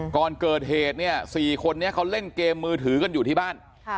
ก่อนเกิดเหตุเนี่ย๔คนนี้เขาเล่นเกมมือถือกันอยู่ที่บ้าน